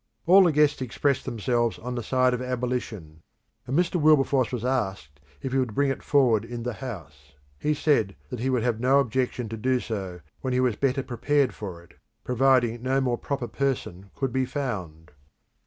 All the guests expressed themselves on the side of abolition, and Mr. Wilberforce was asked if he would bring it forward in the House. He said that he would have no objection to do so when he was better prepared for it, providing no more proper person could be found.